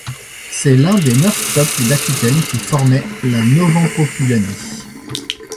C'est l'un des neuf peuples d'Aquitaine qui formaient la Novempopulanie.